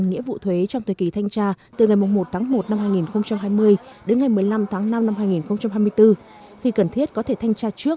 nghĩa vụ thuế trong thời kỳ thanh tra từ ngày một một hai nghìn hai mươi đến ngày một mươi năm năm hai nghìn hai mươi bốn khi cần thiết có thể thanh tra trước